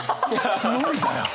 無理だよ。